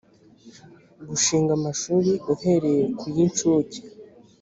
gushinga amashuri uhereye ku y incuke